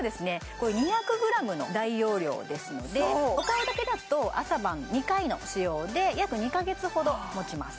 これ２００ｇの大容量ですのでお顔だけだと朝晩２回の使用で約２カ月ほど持ちます